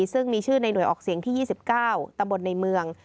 ซึ่งมีชื่อในหน่วยออกเสียงที่๒๙ตำบลในเมือง